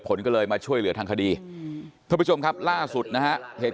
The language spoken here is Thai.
ผลก็เลยมาช่วยเหลือทางคดีท่านผู้ชมครับล่าสุดนะฮะเหตุ